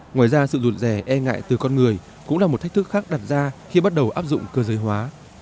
ngoài ra sự lụt rè e ngại từ con người cũng là một thách thức khác đặt ra khi bắt đầu áp dụng cơ giới hóa